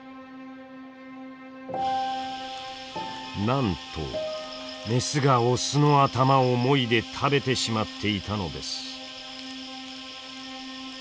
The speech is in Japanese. なんとメスがオスの頭をもいで食べてしまっていたのです。